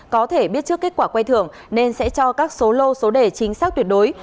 có thể biết trước kết quả quay thưởng nên sẽ cho các số lô số đề chính xác tuyệt đối